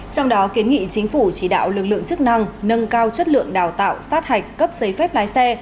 trong đó kiến nghị chính phủ chỉ đạo lực lượng chức năng nâng cao chất lượng đào tạo sát hạch cấp giấy phép lái xe